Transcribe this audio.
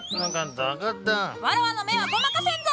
わらわの目はごまかせんぞ！